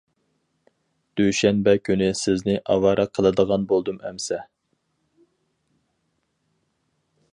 دۈشەنبە كۈنى سىزنى ئاۋارە قىلىدىغان بولدۇم ئەمىسە.